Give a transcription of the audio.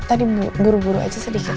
tadi buru buru aja sedikit